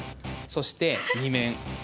そして２面。